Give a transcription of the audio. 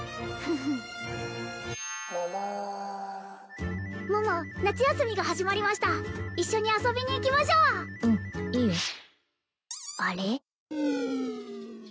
フフンももん桃夏休みが始まりました一緒に遊びに行きましょううんいいよあれ？